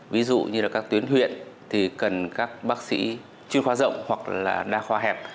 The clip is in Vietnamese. ví dụ như là các tuyến huyện thì cần các bác sĩ chuyên khoa rộng hoặc là đa khoa hẹp